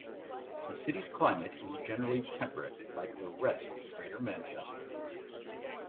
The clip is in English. The city's climate is generally temperate, like the rest of Greater Manchester.